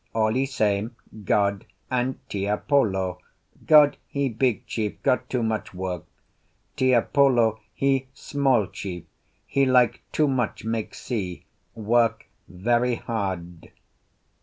All e same God and Tiapolo. God he big chief—got too much work. Tiapolo he small chief—he like too much make see, work very hard."